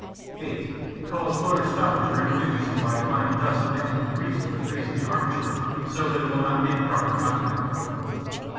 (8) Cause motor stoppage or inefficiency by applying dust mixed with grease to the face of the armature so that it will not make proper contact.